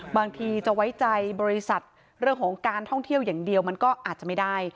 บางทีจะไว้ใจบริษัทเรื่องของการท่องเที่ยวอย่างเดียวมันก็อาจจะไม่ได้